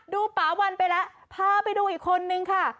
ป่าวันไปแล้วพาไปดูอีกคนนึงค่ะ